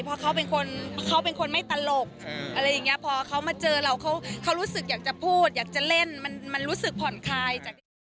เพราะเขาเป็นคนไม่ตลกอะไรอย่างนี้พอเขามาเจอเราเขารู้สึกอยากจะพูดอยากจะเล่นมันรู้สึกผ่อนคลาย